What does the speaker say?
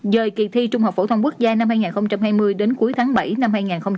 dời kỳ thi trung học phổ thông quốc gia năm hai nghìn hai mươi đến cuối tháng bảy năm hai nghìn hai mươi